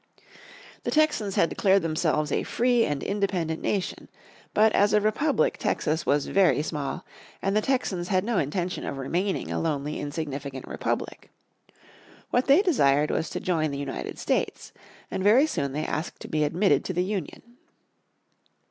The Texans had declared themselves a free and independent nation. But as a republic Texas was very small, and the Texans had no intention of remaining a lonely insignificant republic. What they desired was to join the United States. And very soon they asked to be admitted to the Union.